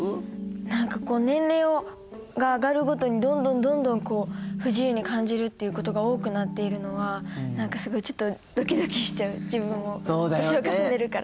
何か年齢が上がるごとにどんどんどんどん不自由に感じるっていうことが多くなっているのは何かすごいちょっとドキドキしちゃう自分も年を重ねるから。